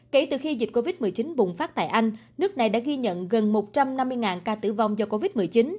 kể từ khi dịch covid một mươi chín bùng phát tại anh nước này đã ghi nhận gần một trăm năm mươi ca tử vong do covid một mươi chín